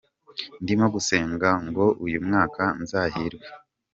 Ndimo gusenga ngo uyu mwaka nzahirwe.